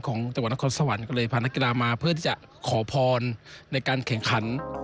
จังหวัดนครสวรรค์ก็เลยพานักกีฬามาเพื่อที่จะขอพรในการแข่งขัน